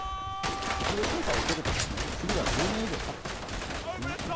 一度、審査を受けると次は１０年以上たってからなんですね。